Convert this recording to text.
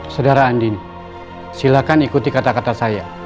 saudara andini silahkan ikuti kata kata saya